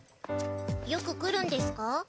よく来るんですか？